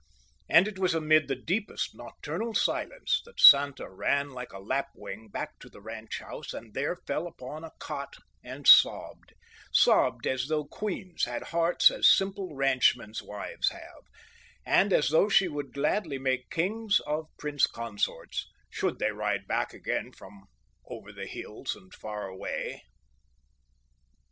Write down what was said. And it was amid the deepest nocturnal silence that Santa ran like a lapwing back to the ranch house and there fell upon a cot and sobbed—sobbed as though queens had hearts as simple ranchmen's wives have, and as though she would gladly make kings of prince consorts, should they ride back again from over the hills and far away.